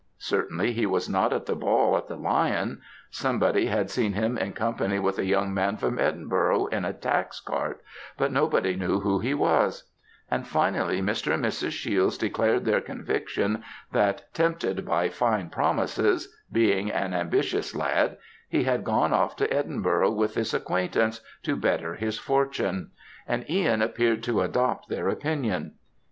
Certainly, he was not at the ball at the Lion. Somebody had seen him in company with a young man from Edinburgh, in a tax cart, but nobody knew who he was; and, finally, Mr. and Mrs. Shiels declared their conviction that, tempted by fine promises being an ambitious lad he had gone off to Edinburgh with this acquaintance, to better his fortune; and Ihan appeared to adopt their opinion.